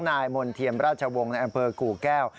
นายมนเทียมราชวงษ์ในอัมเภอกุแก้ว